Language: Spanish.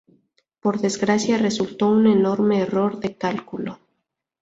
Por desgracia resultó un enorme error de cálculo.